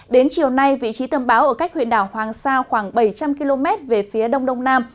đến chiều nay vị trí tâm báo ở cách huyện đảo hoàng sa khoảng bảy trăm linh km về phía đông đông nam